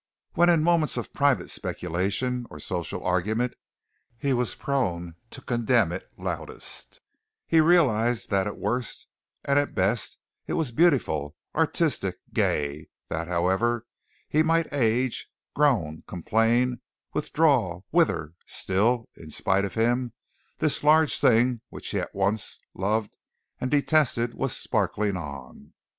When in moments of private speculation or social argument he was prone to condemn it loudest, he realized that at worst and at best it was beautiful, artistic, gay, that, however, he might age, groan, complain, withdraw, wither, still, in spite of him, this large thing which he at once loved and detested was sparkling on.